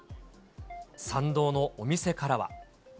参道のお店からは。